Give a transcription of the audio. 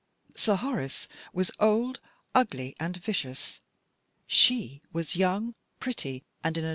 Sir Horace was old, ugly, and vicious ; she was young, pretty, and " smart."